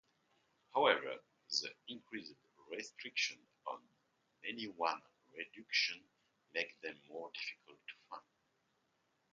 However, the increased restrictions on many-one reductions make them more difficult to find.